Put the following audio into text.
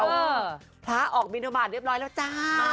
หรือเปล่าพระออกมินโทบาทเรียบร้อยแล้วจ้า